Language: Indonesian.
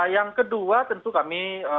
yang kedua tentu kami